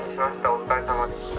お疲れさまでした。